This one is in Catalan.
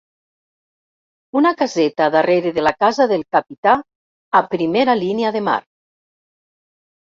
Una caseta darrere de la casa del capità a primera línia de mar.